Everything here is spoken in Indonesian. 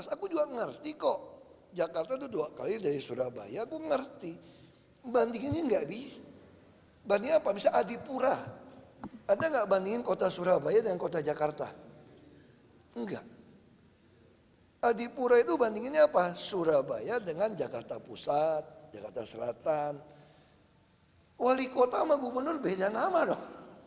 surabaya dengan jakarta pusat jakarta selatan wali kota sama gubernur beda nama dong